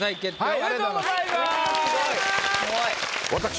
おめでとうございます。